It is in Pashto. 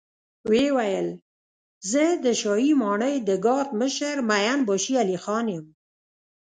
ويې ويل: زه د شاهي ماڼۍ د ګارد مشر مين باشي علی خان يم.